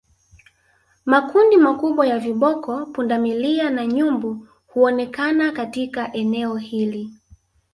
Makundi makubwa ya viboko pundamilia na nyumbu huonekana katika eneo hili